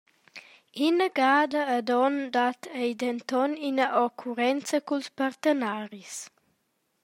Ina gada ad onn dat ei denton ina occurrenza culs partenaris.